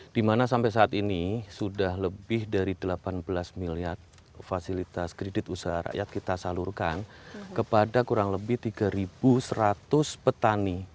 di mana sampai saat ini sudah lebih dari delapan belas miliar fasilitas kredit usaha rakyat kita salurkan kepada kurang lebih tiga seratus petani